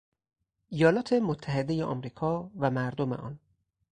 ایالات متحده امریکا و مردم آن